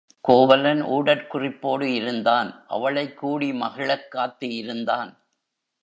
கோவலன் ஊடற் குறிப்போடு இருந்தான் அவளைக் கூடி மகிழக் காத்து இருந்தான்.